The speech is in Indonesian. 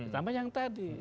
pertama yang tadi